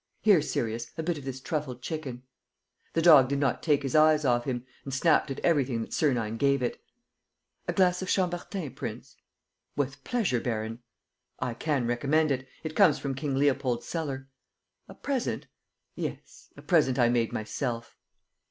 Here, Sirius, a bit of this truffled chicken!" The dog did not take his eyes off him, and snapped at everything that Sernine gave it. "A glass of Chambertin, prince?" "With pleasure, baron." "I can recommend it. It comes from King Leopold's cellar." "A present?" "Yes, a present I made myself."